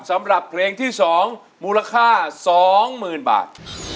สำหรับเพลงที่๒มูลค่า๒๐๐๐บาท